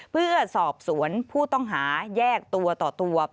เพื่อสอบสวนผู้ต้องหาแยกตัวต่อตัว